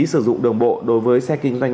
sử dụng đường bộ đối với xe kinh doanh